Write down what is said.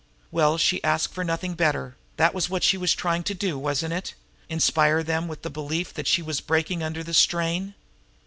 Well, she asked for nothing better; that was what she was trying to do, wasn't it? inspire them with the belief that she was breaking under the strain.